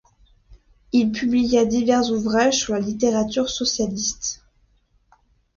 Il publia divers ouvrages sur la littérature socialiste.